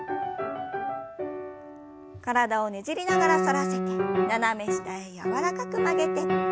体をねじりながら反らせて斜め下へ柔らかく曲げて。